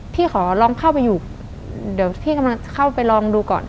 พี่ขอลองเข้าไปอยู่เดี๋ยวพี่กำลังเข้าไปลองดูก่อน